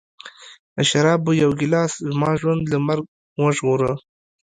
د شرابو یوه ګیلاس زما ژوند له مرګ وژغوره